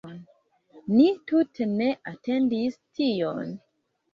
Ni tute ne atendis tion